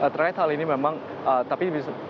terkait hal ini memang tak bisa dipungkiri